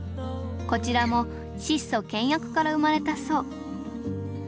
こちらも質素倹約から生まれたそう。